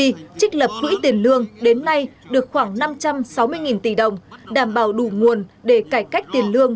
chi trích lập quỹ tiền lương đến nay được khoảng năm trăm sáu mươi tỷ đồng đảm bảo đủ nguồn để cải cách tiền lương